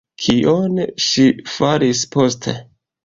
Kion ŝi faris poste?